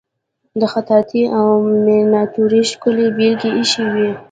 د خطاطی او میناتوری ښکلې بیلګې ایښې وې.